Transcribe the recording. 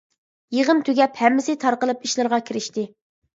يىغىن تۈگەپ، ھەممىسى تارقىلىپ ئىشلىرىغا كىرىشتى.